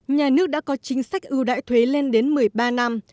nhà nước đã có chính sách ưu đại thuế lên đến một mươi ba năm